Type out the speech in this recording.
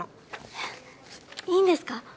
えいいんですか？